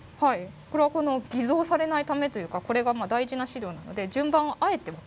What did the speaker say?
これは偽造されないためというかこれが大事な資料なので順番をあえて分からなくしてるんです。